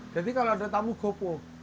jadi kalau ada tamu gopo